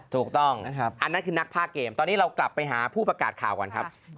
ถูกต้องนะครับอันนั้นคือนักภาคเกมตอนนี้เรากลับไปหาผู้ประกาศข่าวก่อนครับ